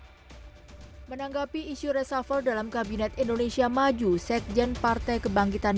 hai menanggapi isu resafal dalam kabinet indonesia maju sekjen partai kebangkitan